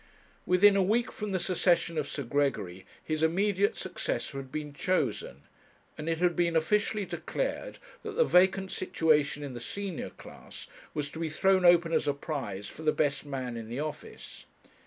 Within a week from the secession of Sir Gregory, his immediate successor had been chosen, and it had been officially declared that the vacant situation in the senior class was to be thrown open as a prize for the best man in the office.